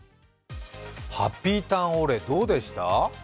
ハッピーターンオ・レどうでした？